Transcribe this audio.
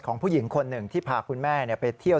ผู้หญิงคนหนึ่งที่พาคุณแม่ไปเที่ยว